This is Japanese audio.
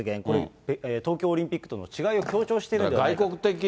これ、東京オリンピックとの違いを強調しているのではないかと。